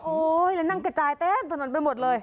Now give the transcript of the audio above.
โอ๊ยนั่งกระจายเต็มมันไปหมดเลย